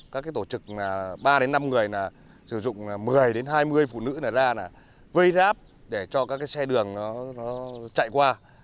các tổ trực ba năm người sử dụng một mươi hai mươi phụ nữ ra vây ráp để cho các xe đường chạy qua